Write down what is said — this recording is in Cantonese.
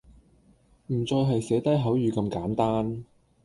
唔再係寫低口語咁簡單